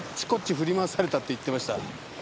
振り回されたって言ってました。